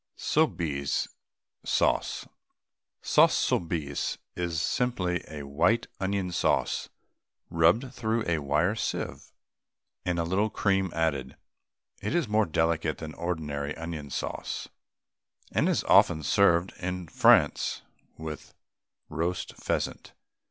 SOUBISE SAUCE. Sauce Soubise is simply white onion sauce, rubbed through a wire sieve, and a little cream added. It is more delicate than ordinary onion sauce, and is often served in France with roast pheasant.